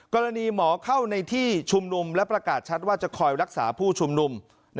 กรณีหมอเข้าในที่ชุมนุมและประกาศชัดว่าจะคอยรักษาผู้ชุมนุม